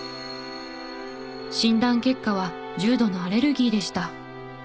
診断結果は重度のアレルギーでした。